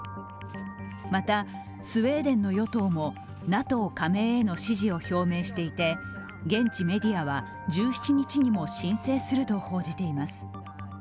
また、スウェーデンの与党もＮＡＴＯ加盟への支持を表明していて現地メディアは１７日にも申請すると報じています。